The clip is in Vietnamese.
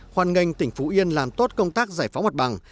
hoan nghênh tỉnh phú yên làm tốt công tác giải phóng mặt bằng